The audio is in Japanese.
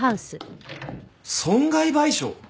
損害賠償！？